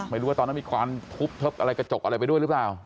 ไม่รู้ว่าตอนนั้นมีควันทุบทึบอะไรกระจกอะไรไปด้วยหรือเปล่า